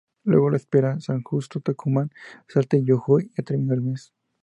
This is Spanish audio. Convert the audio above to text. Luego los esperó San Justo, Tucumán, Salta y Jujuy, ya terminando el mes.